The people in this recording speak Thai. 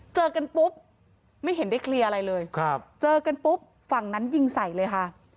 เจอกันปุ๊บไม่เห็นได้เคลียร์อะไรเลยครับเจอกันปุ๊บฝั่งนั้นยิงใส่เลยค่ะ